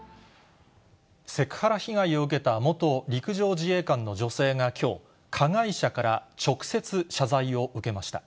セクハラ被害を受けた元陸上自衛官の女性がきょう、加害者から直接、謝罪を受けました。